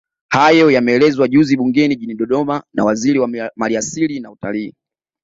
Hayo yameelezwa juzi bungeni Jijini Dodoma na Waziri wa Maliasili na Utalii